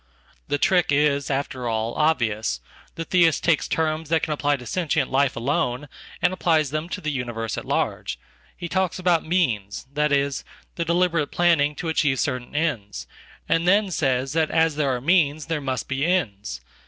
The trick is, after all, obvious. The Theist takes terms thatcan apply to sentient life alone, and applies them to the universeat large. He talks about means, that is, the deliberate planning toachieve certain ends, and then says that as there are means theremust be ends.